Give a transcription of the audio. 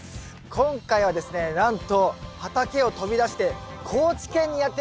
今回はですねなんと畑を飛び出して高知県にやってまいりました。